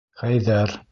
Хәйҙәр.